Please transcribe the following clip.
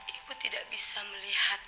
ibu tidak bisa melihat